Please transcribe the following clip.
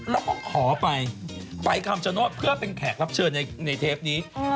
แล้วก็ขอไปไปคำชโนธเพื่อเป็นแขกรับเชิญในเทปนี้